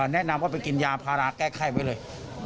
แนะนำว่าไปกินยาพาราแก้ไข้ไว้เลย